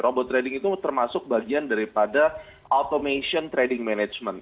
robot trading itu termasuk bagian daripada automation trading management